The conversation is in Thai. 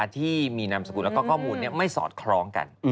ที่มีนามสกุลแล้วก็ข้อมูลไม่สอดคล้องกัน